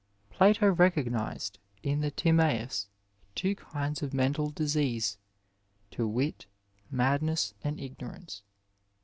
Plato recognized, in the Timmu^ two kinds of mental disease, to wit, madness and ignorance.